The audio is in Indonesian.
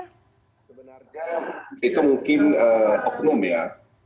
sebenarnya itu mungkin oknum ya